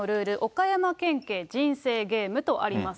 岡山県警人生ゲームとあります。